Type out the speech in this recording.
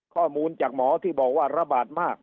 ข้อมูลจากหมอที่บอกว่าระบาดมาก